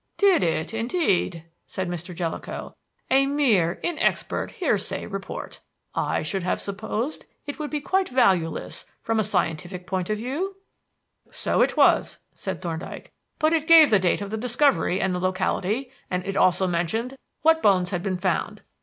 "Did it, indeed?" said Mr. Jellicoe. "A mere, inexpert, hearsay report! I should have supposed it to be quite valueless from a scientific point of view." "So it was," said Thorndyke. "But it gave the date of the discovery and the locality, and it also mentioned what bones had been found.